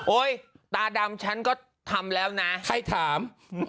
โอ๊ยตาดำฉันก็ทำแล้วนะให้ถาม